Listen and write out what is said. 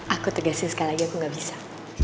aku tegasin sekali lagi aku gak bisa